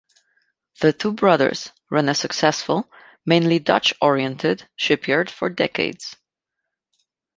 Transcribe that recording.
The two brothers ran a successful, mainly Dutch-oriented, shipyard for decades.